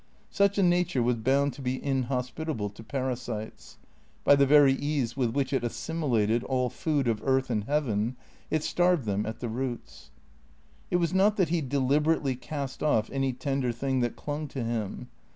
Such a nature was bound to be inhospitable to parasites. By the very ease with which it assimilated all food of earth and heaven, it starved them at the roots. It was not that he deliberately cast off any tender thing that clung to him.